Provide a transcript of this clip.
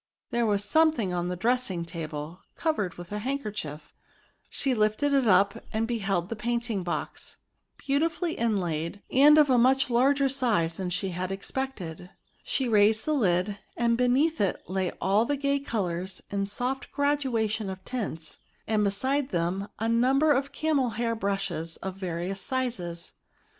There was something on the dressing table covered with a handkerchief; she lifted it up and beheld the painting box, beautifully inlaid, and of a much larger size than she had expected; she raised the lid, and beneath it lay all the gay colours in soft gradation of tints, and beside them a num ber of camel hair brushes of various sizes.